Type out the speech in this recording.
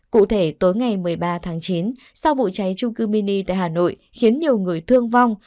cụ thể tối ngày một mươi ba tháng chín sau vụ cháy trung cư mini tại hà nội khiến nhiều người thương vong